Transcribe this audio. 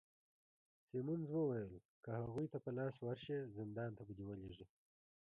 سیمونز وویل: که هغوی ته په لاس ورشې، زندان ته به دي ولیږي.